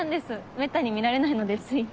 めったに見られないのでつい。